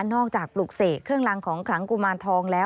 จากปลุกเสกเครื่องรังของขลังกุมารทองแล้ว